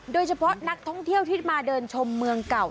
โดยเฉพาะนักท่องเที่ยวที่มาเดินชมเมืองเก่า